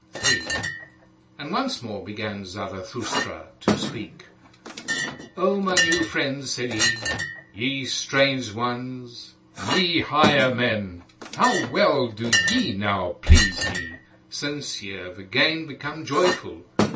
3. And once more began Zarathustra to speak. "O my new friends," said he, "ye strange ones, ye higher men, how well do ye now please me, Since ye have again become joyful!